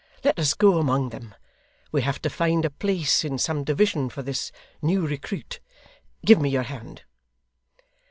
'Let us go among them; we have to find a place in some division for this new recruit give me your hand.